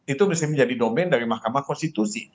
itu bisa menjadi domen dari mahkamah konstitusi